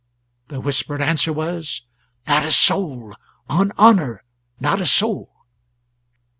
The whispered answer was: "Not a soul on honour, not a soul!"